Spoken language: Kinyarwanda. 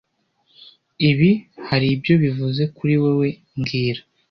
Ibi hari ibyo bivuze kuri wewe mbwira